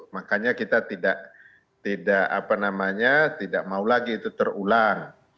makanya kita tidak mau lagi itu terulang